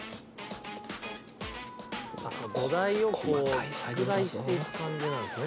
土台をこう拡大していく感じなんですね。